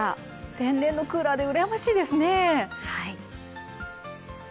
天然のクーラーでうらやましいですね。